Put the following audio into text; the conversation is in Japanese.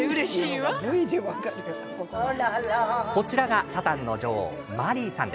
こちらがタタンの女王マリーさん。